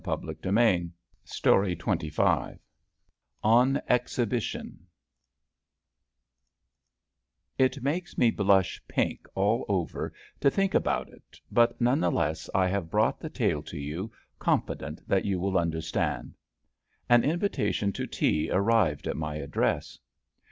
*' Shakl hai lekin uhl nahin hail ON EXHIBITION TT makes me blush pink all over to think about it, but, none the less, I have brought the tale to you, confident that you will understand. An invitation to tea arrived at my address.